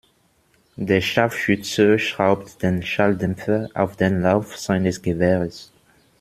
Der Scharfschütze schraubt den Schalldämpfer auf den Lauf seines Gewehres.